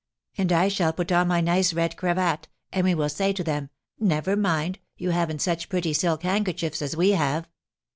And I shall put on my nice red cravat, and we will say to them, 'Never mind, you haven't such pretty silk handkerchiefs as we have!'"